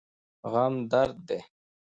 غم درد دی.